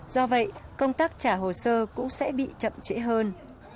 do vậy công tác trả hồ sơ cũng sẽ bị chậm trễ hơn